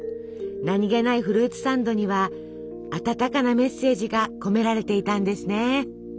何気ないフルーツサンドには温かなメッセージが込められていたんですね。